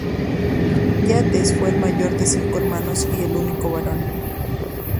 Yates fue el mayor de cinco hermanos y el único varón.